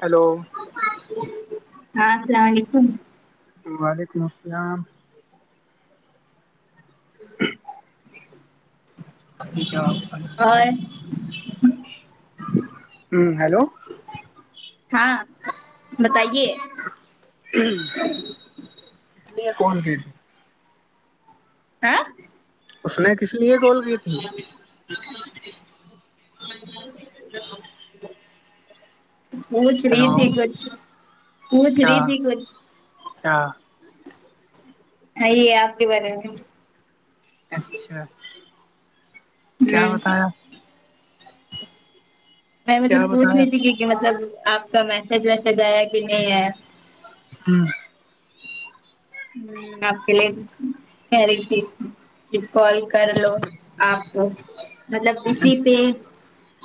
hello ہاں السلام علیکم وعلیکم السلام اور [unintelligible] ہ ہیلو ہاں بتائیے کس نے یہ کون کہ آں اس نے کس لیے کال کی تھی پوچھ رہی ہیلو تھی کچھ پوچھ کیا رہی تھی کچھ کیا یہی آپکے بارے میں اچھا کیا ہ بتایا میں کیا مطلب پوچھ بتایا رہی تھی کی کہ مطلب آپ کا میسج ویسج آیا کہ نہیں آیا ہاں ہمم آپ کے لیے کہہ رہی تھی کہ کال کر لو آپ کو مطلب اسی پہ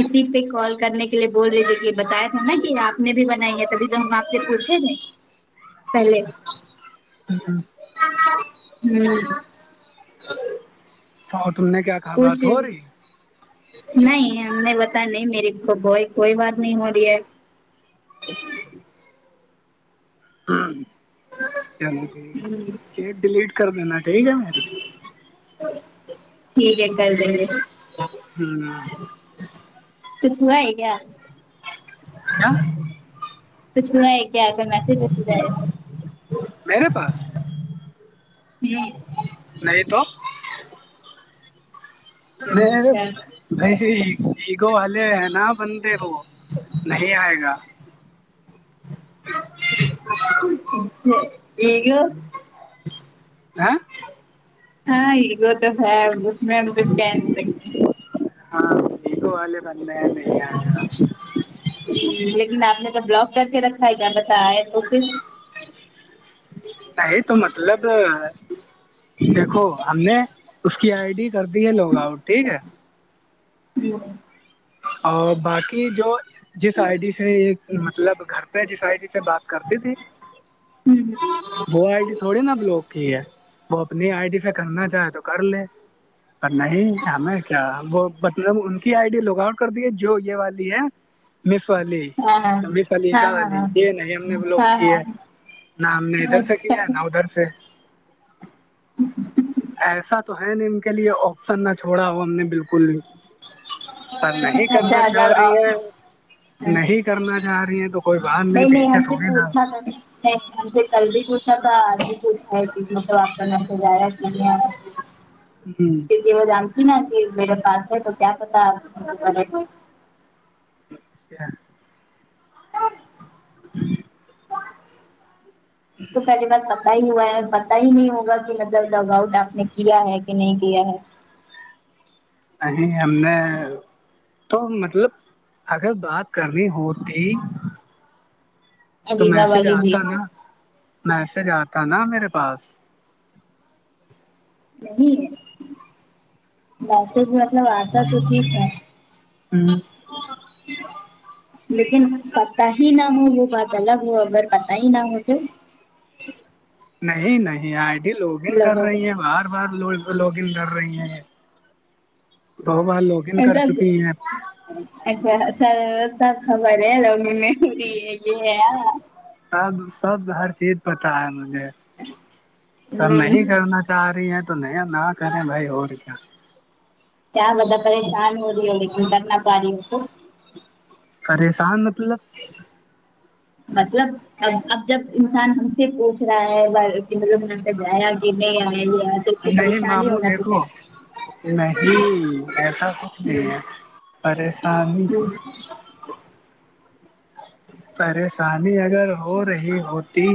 اسی پہ کال کرنے کے لیے بول رہے تھے کہ بتایا تھا نا کہ آپ نے بھی بنائی ہے تبھی ہم آپ سے پوچھے تھے پہلے امم ہوں اور تم نے کیا کہا پوچھ بات ہو تھی رہی نہیں ہم نے بتا نہیں میری کوئی کوئی بات نہیں ہو رہی ہے ہاں چلو ٹھیک ہے ہ چیٹ ڈیلیٹ کر دینا ٹھیک ہے میری ٹھیک ہے کر دیں گے ہوں کچھ ہوا ہے کیا کیا کچھ ہوا ہے کیا آ کر میسج ویسج ائے میرے پاس ن [unintelligible] نہیں تو م اچھا [unintelligible] بھائی ایگو والے ہے نا بندے وہ نہیں آئے گا [unintelligible] گو ہ ہاں ایگو تو ہے اب میں پک رے [unintelligible] ہاں ا یگو والے بندے ہے لیکن آپ نے تو بلاک کر کے رکھا ہے کیا بت ہے تو پھر نہیں تو مطلب دیکھو ہم نے اس کی آئی ڈی کر دی ہے لوگ آؤٹ ٹھیک ہے جی اور باقی جو جس آئی ڈی سے مطلب گھر پہ جس آئی ڈی سے بات کرتی تھی وہ ائی ڈی تھوڑی نا بلاک کی ہے وہ اپنی آئی ڈی سے کرنا چاہے تو کر لے پر نہیں ہمیں کیا وہ مطلب ان کی آئی ڈی لوگ آؤٹ کر دیے جو یہ والی ہے مث والی ہاں مث علیزہ ہاں ہاں ہاں یہ ہاں نہیں ہم نے بلاک ہاں کی ہے ہاں نہ ہم نے ادھر سے اچھا کیا ہے نا ادھر سے ایسا تو ہے ن ان کے لیے آپشن نہ چھوڑا وہ ہم نے بالکل بھی پر نہیں اچھا کرنا چاہ اچھا رہی ہیں آپ نہیں کرنا چاہ رہی ہیں تو کوئی باہر نہیں بیچے ہم سے تھوڑے نہ پوچھا تھا نہیں سے کل بھی پوچھا تھا آج بھی پوچھا ہے مطلب آپ کا میسج آیا کہ نہیں آیا ہوں وہ جانتی نا کہ میرے پاس ہے تو کیا پتا آپ کرے اچھا ج تو پہلی بات س پتا ہی ہوا ہے پتا ہی نہیں ہوگا کہ مطلب لگ آؤٹ آپ نے کیا ہے کہ نہیں کیا ہے نہیں ہم نے تو مطلب اگر بات کرنی ہوتی تو علیزہ میسج والی بھی آتا نا میسج آتا نا میرے پاس نہیں ب مطلب آتا تو ٹھیک ہے ہوں [inaudible] لیکن پت ہی نہ ہو وہ بات الگ ہو اگر پت ہی نہ ہو تو نہیں نہیں آئی ڈی لوگن کر لوگوں رہی ہیں بار بار لو لوگن کر رہی ہیں دو بار لوگ اد اچھا س ت خبر ہے لو م نے یہ ہے سب سب ہر چیز پتا ہے مجھے تو ہ نہیں کرنا جا رہی ہیں تو نیا نہ کریں بھائی اور کیا ت بدا پریشان ہو رہی ہے لیکن کرھرنا پاریی ہو تو پریشان مت ل مطب اب اب جب انسان ہم سے پوچھ رہا ہے کہ مطلب ہم جایا کہ نہیں آیا آ نہیں ماموں دیکھو نہیں ایسا کچھ نہیں ہے پریشانی پریشانی اگر ہو رہی ہوتی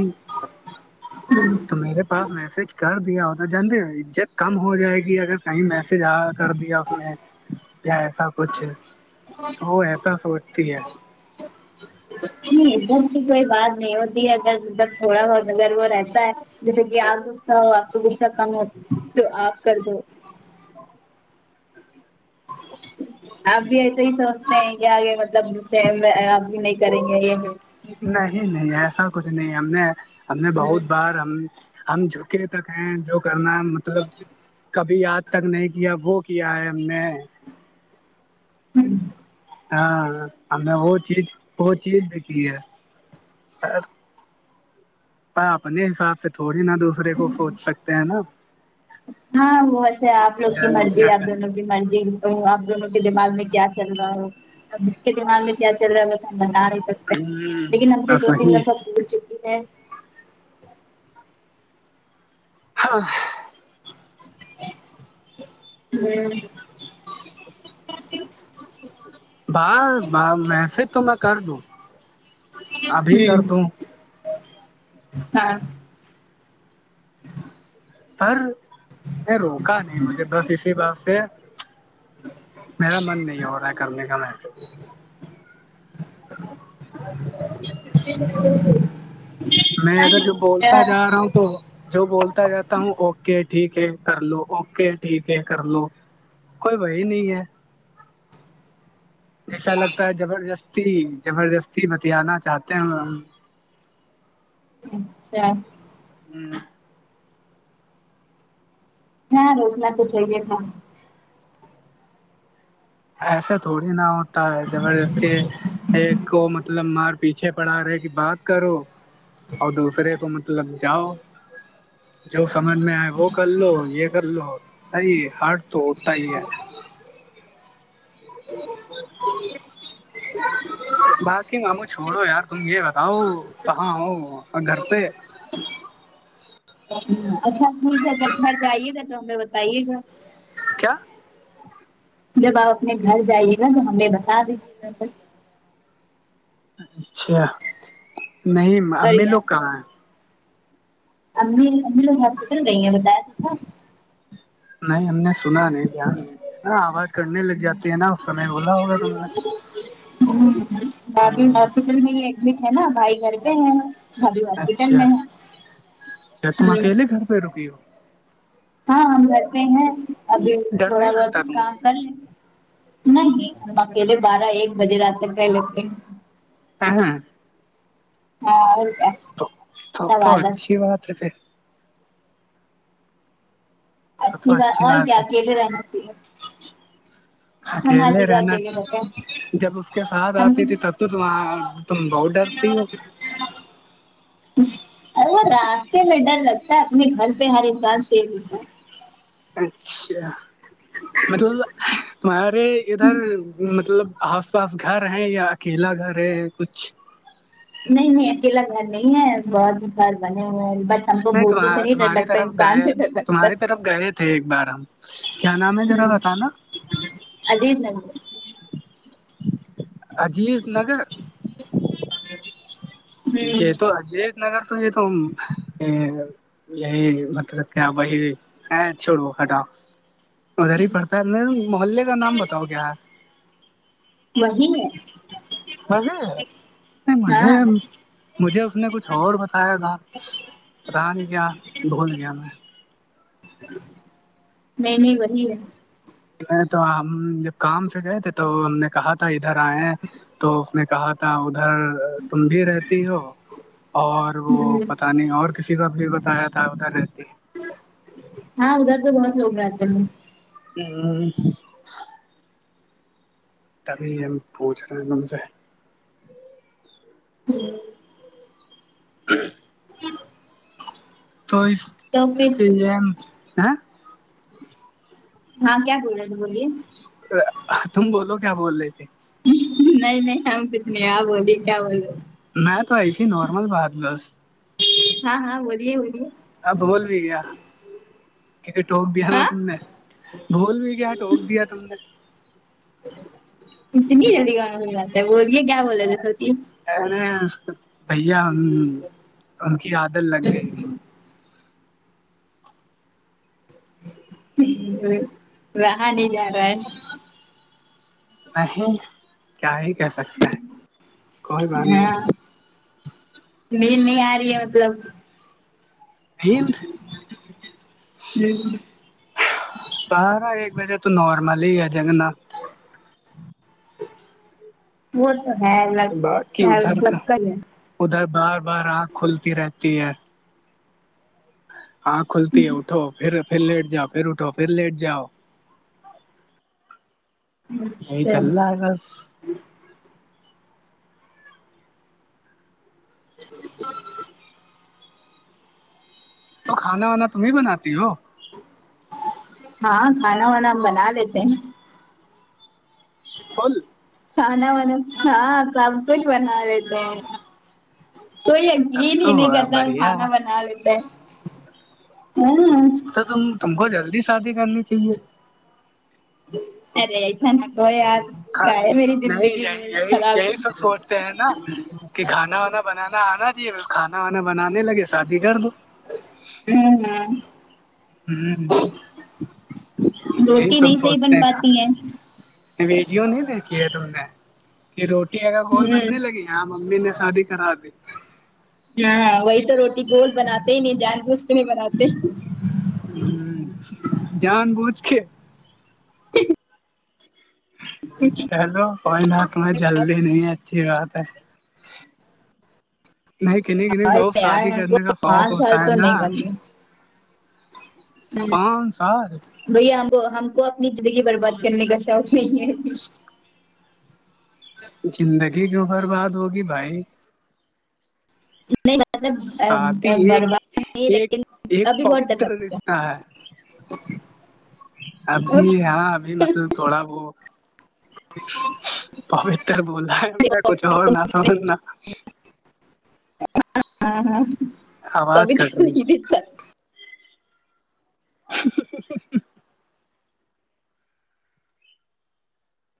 تو میرے پاس میسج کر دیا ہوتا جاندے عزت کم ہو جائے گی اگر کہیں میسج آ کر دیا اس نے یا ایسا کچھ تو وہ ایسا سوچتی ہے نہیں ادھر کی کوئی بات نہیں ہوتی اگر مب تھوڑا بہت اگر وہ رہتا ہے جیسے کہ آپ غصہ ہو آپ کا غصہ کم ہو تو آپ کر دو آپ بھی ایسے ہی سونچ نہیں کہ آگے مطلب سے میں اب بھی نہیں کریں گے یہ نہیں نہیں ایسا کچھ نہیں ہم نے ہم نے بہت بار ہم ہم جھکے تک ہیں جو کرنا مطلب کب ابھی یاد تک نہیں کیا وہ کیا ہے ہم نے ہمم ہاں ہم نے وہ چیز وہ چیز د یکھی ہےخیر پر اپنے حساب سے تھوڑی نہ دوسرے کو سوچ سکتے ہیں نہ ہاں ویسے آپ لوگ کی مرضی آپ جیسے دونوں کی مرضی تو اب دونوں کے دماغ میں کیا چل رہا ہو اب دماغ میں کیا چل رہا ہے بس ہم بتا نہیں سکتے لیکن ہم سے بس دو تین وہی دفعہ پول چکی ہے [inaudible] ہمم با با میسج تو میں کر دوں ابھی ہ کر دوں ہاں پر اس نے روکا نہیں مجھے بس اسی بات سے میرا من نہیں ہو رہا ہے کرنے کا میسیج [unintelligible] میں اگر جو بولتا جا رہا ہوں تو جو بولتا جاتا ہوں اوکے ٹھیک ہے کر لو اوکے ٹھیک ہے کر لو کوئی بھائے ہی نہیں ہے ایسا لگتا ہے زبردستی زبردستی بتیا نہ چاہتے ہیں اچھا آمم ہاں روکنا تو چایے تھا ایسا تھوڑی نہ ہوتا ہے زبردستی ایک کو مطلب مار پیچھے پڑا رہے کی بات کرو اور دوسرے کو مطلب جاؤ جو سمجھ میں آئے وہ کر لو یے کر لو ایئی ہارڈ تو ہوتا ہی ہے [unintelligible] باقی ماموں چھوڑو یار تم یے بتاؤ کہاں ہو گھر پے اچھا بھول ہوں کر گا گھر جا ئیے گا تو ہمیں بتائیے گا کیا جب آپ اپنے گھر جائیے گا تو ہمیں بتا دیجیے گا بس اچھا نہیں اور امی کیا لوگ کہاں ہیں امی امی لوگ ہاسپٹل گئی ہیں بتایا تو تھا نہیں ہم نے سنا نہیں دھیان نہیں دیا ہاں آواز کٹنے لگ جاتی ہے نا اس سمے بولا ہوگا تم نے ہمم بھابھی ہاں ہاسپٹل میں ہی ایڈمٹ ہے نا بھائی گھر پے ہے بھابھی ہوسپٹل اچھا میں ہے اچھا تم ہمم گھر اکیلے پے رکی ہو ہاں ہم گھر پے ہیں ابھی ڈر تھوڑا نہیں بہت لگتا تم کو کام کر لیتے نہیں ہم اکیلے بارہ ایک بجے رات تک رہ لیتے ہیں [unintelligible] ہاں اور کیا تو تو سب تو عادت اچھی بات ہے پھر تو اچھی تو بات اور کیا ہے اکیلے رہنا چاہیے ہم ہر اکیلے جگہ رہنا اکیلے رہتے ہیں جب اس کے ساتھ ہم آتی تھی تب تو تم آ تم بہت ڈرتی ہو ارے وہ راستے میں ڈر لگتا ہے اپنے گھر پے ہر انسان سیف رہتا ہے اچھا مطلب تمہارے ادھر مطلب آس پاس گھر ہیں یا اکیلا گھر ہے کچھ نہیں نہیں اکیلا گھر نہیں ہے بازو گھر بنے ہوئے ہیں ہم کو نہیں بھوتوں سے تمہار ڈر تمہارے لگتا طرف انسان گئے سے ڈر لگتا تمہارے ہے طرف گئے تھے ایک بار ہم کیا نام ہے ذرا بتا نا علیم نگر عجیز نگر یے ہوں تو اجیز نگر تو یے تو یہی تو کیا بھائی اے چھوڑو ہتاؤ ادھر ہی پڑتا ہے اپنے محلے کا نام بتاؤ کیا وہی ہے نہیں ہاں مجھے مجھے اس نے کچھ اور بتایا تھا پتاہ نہیں کیا بھول گیا میں نہیں نہیں وہی ہے تو ہم جب کام سے گئے تھے تو ہم نے کہا تھا ادھر آئے تو اس نے کہا تا ادھر تم بھی رہتی ہو اور ہ وہ پتا پتہ نہیں اور کسی کا ابھی بتایا تھا ادھر رہتی ہاں ادھر تو بہت لوگ رہتے ہیں ہ تبھی ہم پوچ رہے ہیں تم سے تو تو اس پھر کے [unintelligible] ہاں کیا بول رہے تھے بولیے تم بولو کیا بول رہے تھے نہیں نہیں ہم کچھ نہیں آپ بولی کیا بولے میں تو آئسی نارمل بات بس ہاں ہاں بولیے بولیے آب بھول بھی گیا کیوں کہ ٹوک دیا نا ہاں تم نے بھول بھی کیا ٹوک دیا تم نے اتنی جلدیکون بھول جاتا ہے بولیے کیا بولے تھے سچی اری اس کی بھیا ان کی عادت لگ گئی رہا نہیں جا رہا ہے نہیں کیا ہی کہہ سکتے ہیں کوئی بات نہیں نید نہیں آ رہی ہے مطلب نیند [unintelligible] بارا ایک بجے تو نارمل ہی ہے جاگنا وہ تو ہےلت باقی ہی ادھر جب کا تک ہے ادھر بار بار آنکھ کھلتی رہتی ہے انکھ کھلتی ہے اٹھو پھر پھر لیٹ جاؤ پھر اٹھو پھر لیٹ جاؤ یہی چل اچھا رہا ہے بس تو کھانا وانا تمہیں بناتی ہو ہاں کھانا وانا ہم بنا لیتے ہیں کل کھانا وانا کیا سب کچھ بنا لیتے ہیں کوئی تب یقین ہی تو نہیں کرتا ہم بڑھیا کھانا ہے، بنا لیتے ہیں ہاں تو تم تم کو جلدی شادی کرنی چاہیے ارے ایسا نہ کہو یار کیا ہے میری زندگی میں خراب ہے نا کھانا وانا بنانا آنا چاہیے کھانا وانا بنانے لگے شادی کر دو ہمم ہممم ام ہوں یہی روٹی سب نہیں صحیح سوچتے بن ہیں کا پاتی ہے ویڈیو نہیں دیکھی ہے تم نے کہ روٹی اگر گول بننے ہوں لگی یہاں ممی نے شادی کرا دی یاں وہی تو روٹی گول بناتے نہیں جان بوجھ کے نہیں بناتے ام جان بوج کے [inaudible] چلو کوئی نہ تمہیں جلدی نہیں ہیں اچھی بات ہے نہیں کنی کنی اور بہت یار شادی ہم کو کرنے کا شوق پانچ ہوتا سال ہے تو نا نہیں کرنی پانچ سال بھیا ہم کو ہم کو اپنی زندگی برباد کرنے کا شوق نہیں ہے زندگی کیوں برباد ہوگی بھائی نہیں مطلب شادی ایک برباد نہیں ایک لیکن ایک ابھی بہت ڈر پوتر لگتا رشتہ ہے ابھی ہاں ابھی مطلب تھوڑا وہ پوتر بولا ہے کچھ اور نہ بولنا ہاں ہا آواز کٹ رہی [unintelligible] [inaudible]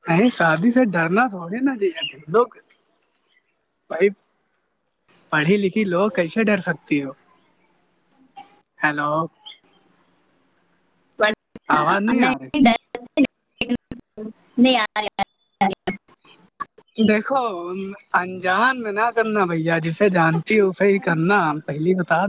نہیں شادی سے ڈرنا تھوڑی نا چاہیے لوگ بھائ پڑھی لکھی لوگ کیسے ڈر سکتی ہو ہیلو آواز نہیں آ رہی [unintelligible] دیکھو انجان میں نہ کرنا بھیا جسے جانتی ہوں اسے ہی کرنا پہلی بتا